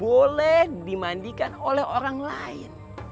boleh dimandikan oleh orang lain